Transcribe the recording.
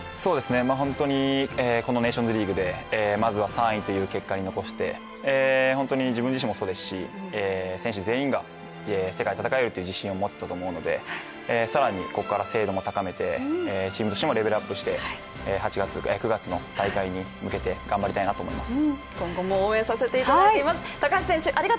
本当にこのネーションズリーグでまずは３位という結果を残して、本当に自分自身もそうですし選手全員が世界で戦える自身が持てたので、更にここから精度も高めて、チームとしてもレベルアップして９月の大会に向けて頑張りたいなと思います。